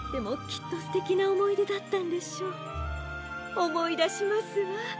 おもいだしますわ。